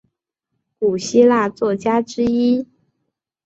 古希腊作家之一。